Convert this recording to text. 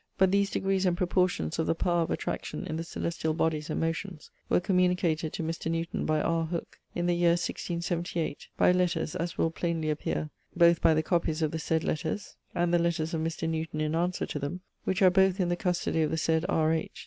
_But these degrees and proportions of the power of attraction in the celestiall bodys and motions, were communicated to Mr. Newton by R. Hooke, in the yeare 1678, by letters, as will plainely appear both by the coppys of the said letters, and the letters of Mr. Newton in answer to them, which are both in the custody of the said R. H.